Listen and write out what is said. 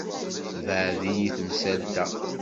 Tebɛed-iyi temsalt-a.